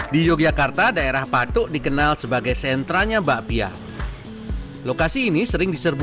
di yogyakarta daerah patuk dikenal sebagai sentranya bakpia lokasi ini sering diserbu